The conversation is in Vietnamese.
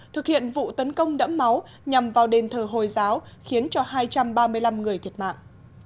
thực hiện vụ tấn công đẫm máu nhằm vào đền thờ hồi giáo khiến cho hai trăm ba mươi năm người thiệt mạng